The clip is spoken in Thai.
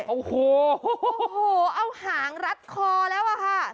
โอ้โหเอาหางรัดคอแล้วอะค่ะ